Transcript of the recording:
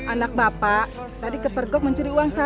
anak bapak tadi ke pergok mencuri uang saya